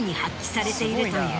されているという。